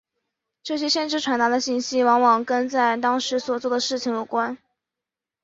这些先知传达的信息往往跟在当时所做的事有关。